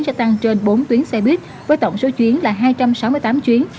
sẽ tăng trên bốn tuyến xe buýt với tổng số chuyến là hai trăm sáu mươi tám chuyến